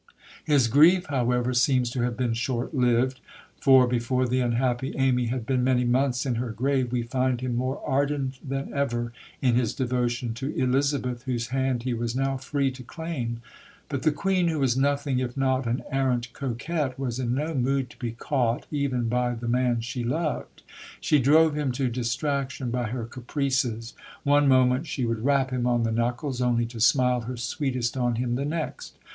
His grief, however, seems to have been short lived; for before the unhappy Amy had been many months in her grave we find him more ardent than ever in his devotion to Elizabeth, whose hand he was now free to claim. But the Queen, who was nothing if not an arrant coquette, was in no mood to be caught even by the man she loved. She drove him to distraction by her caprices. One moment she would "rap him on the knuckles," only to smile her sweetest on him the next.